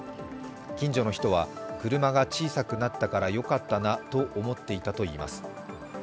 近所の人は車が小さくなったからよかったなと思っていたといいます。